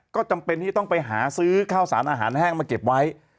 ก็จำเป็นที่ต้องไปหาซื้อข้าวสารอาหารแห้งมาเก็บไว้